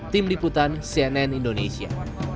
tim diputan cnn indonesia